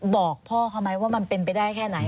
บอกพ่อเขาไหมว่ามันเป็นไปได้แค่ไหน